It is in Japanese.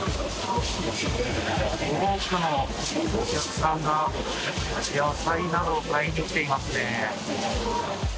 多くのお客さんが、野菜などを買いに来ていますね。